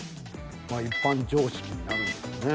まあ一般常識になるんでしょうね。